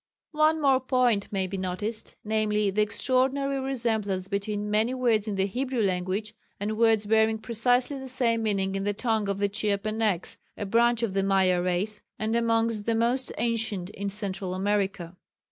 One more point may be noticed, viz., the extraordinary resemblance between many words in the Hebrew language and words bearing precisely the same meaning in the tongue of the Chiapenecs a branch of the Maya race, and amongst the most ancient in Central America.